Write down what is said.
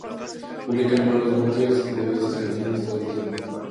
Publicaban malos "bootlegs" de todas estas canciones todo el tiempo.